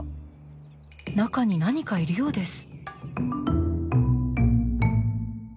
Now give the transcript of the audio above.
中に何かいるようです。